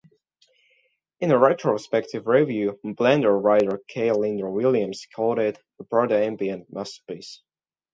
In a retrospective review, "Blender" writer K. Leander Williams called it "a proto-ambient masterpiece".